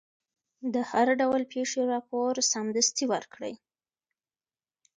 د هر ډول پېښې راپور سمدستي ورکړئ.